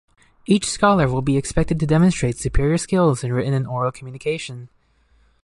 Each scholar will be expected to demonstrate superior skills in written and oral communication.